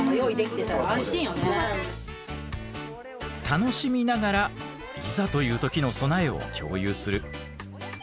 楽しみながらいざという時の備えを共有する。